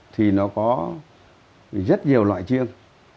thì nó có rất nhiều loại chiêng